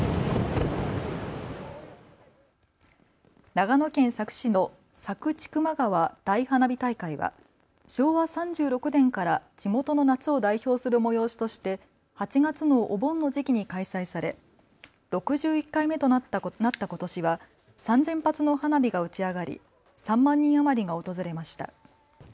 長野県佐久市の佐久千曲川大花火大会は昭和３６年から地元の夏を代表する催しとして８月のお盆の時期に開催され６１回目となったことしは３０００発の花火が打ち上がり３万人余りが訪れました。